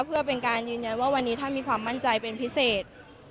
เพื่อเป็นการยืนยันว่าวันนี้ท่านมีความมั่นใจเป็นพิเศษ